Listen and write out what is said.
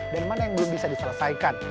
dan mana yang belum bisa diselesaikan